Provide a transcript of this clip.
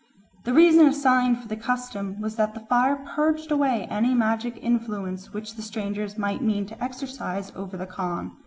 The reason assigned for the custom was that the fire purged away any magic influence which the strangers might mean to exercise over the Khan.